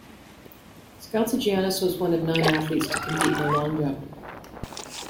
Skaltsogiannis was one of nine athletes to compete in the long jump.